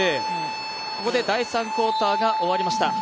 ここで第３クオーターが終わりました。